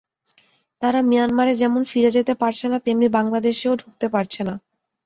তারা মিয়ানমারে যেমন ফিরে যেতে পারছে না, তেমনি বাংলাদেশেও ঢুকতে পারছে না।